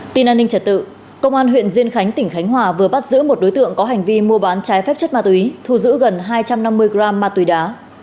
tin an ninh trật tự công an huyện diên khánh tỉnh khánh hòa vừa bắt giữ một đối tượng có hành vi mua bán trái phép chất ma túy thu giữ gần hai trăm năm mươi gram ma túy đá